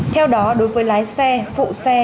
theo đó đối với lái xe phụ xe